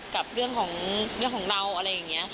กับเรื่องของเราอะไรอย่างนี้ค่ะ